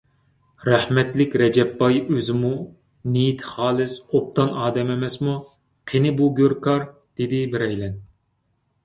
رەھمەتلىك رەجەپ باي ئۆزىمۇ نىيىتى خالىس، ئوبدان ئادەم ئەمەسمۇ!... قېنى بۇ گۆركار؟ _ دېدى بىرەيلەن.